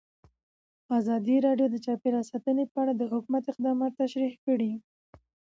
ازادي راډیو د چاپیریال ساتنه په اړه د حکومت اقدامات تشریح کړي.